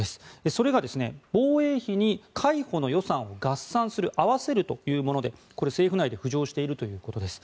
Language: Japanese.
それが防衛費に海保の予算を合算する合わせるというものでこれ、政府内で浮上しているということです。